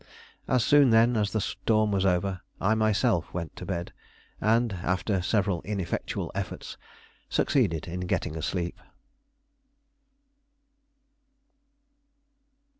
As soon, then, as the storm was over, I myself went to bed, and, after several ineffectual efforts, succeeded in getting asleep.